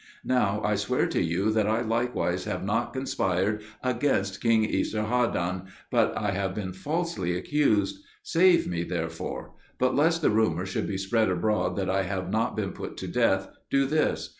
Now I swear to you that I likewise have not conspired against king Esarhaddon, but I have been falsely accused. Save me therefore; but lest the rumour should be spread abroad that I have not been put to death, do this.